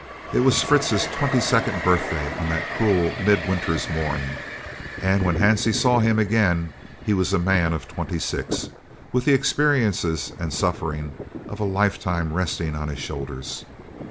It was Fritz's twenty second birthday on that cruel mid winter's morn, and when Hansie saw him again he was a man of twenty six, with the experiences and suffering of a lifetime resting on his shoulders.